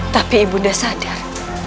tapi ibunda sadar